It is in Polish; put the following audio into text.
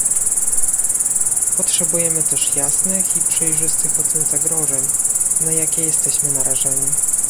Potrzebujemy też jasnych i przejrzystych ocen zagrożeń, na jakie jesteśmy narażeni